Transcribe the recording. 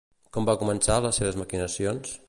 Com va començar les seves maquinacions?